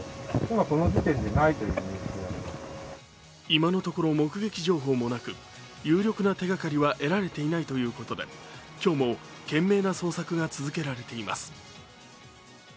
今のところ目撃情報もなく有力な手がかりは得られていないということで今日も懸命な捜索が続けられています。